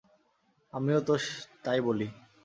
আমিও তো তাই বলি।